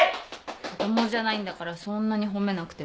子供じゃないんだからそんなに褒めなくても。